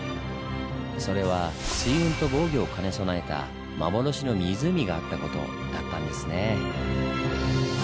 それは水運と防御を兼ね備えた幻の湖があった事だったんですね。